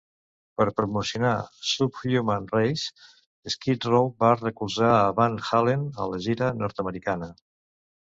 Per promocionar "Subhuman Race", Skid Row va recolzar a Van Halen en la gira nord-americana.